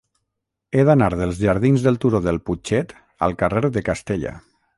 He d'anar dels jardins del Turó del Putxet al carrer de Castella.